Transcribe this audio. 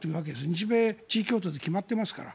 日米地位協定で決まってますから。